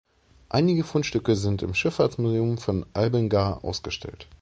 Einige Fundstücke sind im Schifffahrtsmuseum von Albenga ausgestellt.